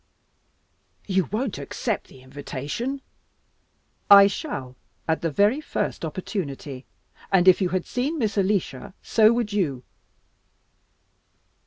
"You won't accept the invitation?" "I shall, at the very first opportunity; and if you had seen Miss Alicia, so would you."